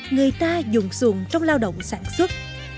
người ta dùng xuồng trong lao động sản xuất